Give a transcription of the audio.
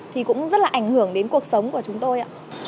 thì cũng rất là ảnh hưởng đến cuộc sống của chúng tôi ạ